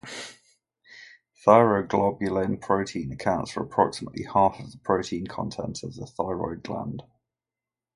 Thyroglobulin protein accounts for approximately half of the protein content of the thyroid gland.